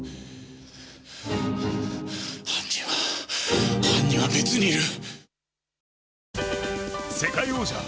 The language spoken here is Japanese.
犯人は犯人は別にいる。